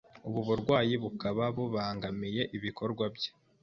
ubu burwayi bukaba bubangamiye ibikorwa bye